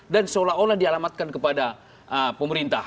dan seolah olah dialamatkan kepada pemerintah